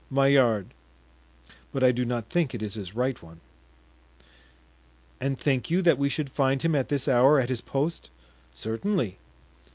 "Maillard; but I do not think it is his right one." "And think you that we should find him at this hour at his post?" "Certainly."